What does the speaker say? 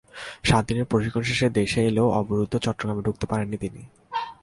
সাত দিনের প্রশিক্ষণ শেষে দেশে এলেও অবরুদ্ধ চট্টগ্রামে ঢুকতে পারেননি তিনি।